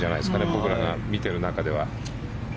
僕らが見ている中では。